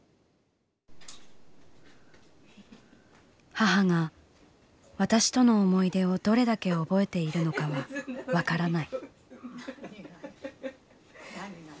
「母が私との思い出をどれだけ覚えているのかは分からない」。